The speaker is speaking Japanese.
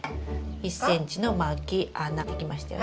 １ｃｍのまき穴出来ましたよね。